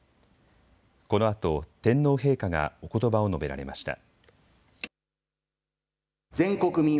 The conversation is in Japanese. このあと、天皇陛下がおことばを述べられました。